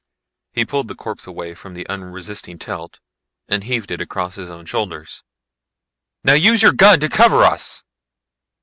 He pulled the corpse away from the unresisting Telt and heaved it across his own shoulders. "Now use your gun to cover us!"